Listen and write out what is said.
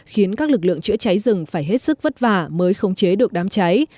khiến các lực lượng chữa cháy rừng phải hết sức vất vả mới khống chế được đám cháy